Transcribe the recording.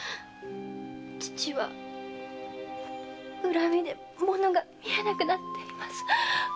父は恨みでものが見えなくなっています。